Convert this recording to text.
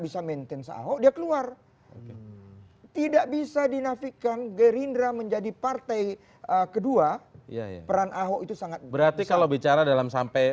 bisa maintain se ahok dia keluar tidak bisa dinafikan gerindra menjadi partai kedua peran ahok itu sangat besar berarti kalau bicara dalam hal yang lain